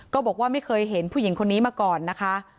บอกว่าไม่เคยเห็นผู้หญิงคนนี้มาก่อนนะคะ